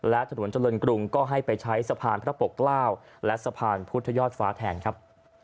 และถนนเจริญกรุงก็ให้ไปใช้สะพานพระปกเกล้าและสะพานพุทธยอดฟ้าแทนครับ